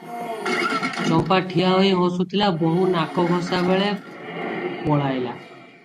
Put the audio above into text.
ଚମ୍ପା ଠିଆ ହୋଇ ହସୁଥିଲା, ବୋହୂ ନାକଘଷା ବେଳେ ପଳାଇଲା ।